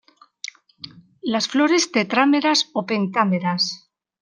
Las flores tetrámeras o pentámeras.